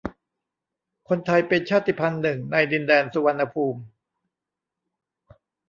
คนไทย เป็นชาติพันธุ์หนึ่งในดินแดนสุวรรณภูมิ